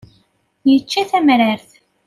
Yečča tamrart.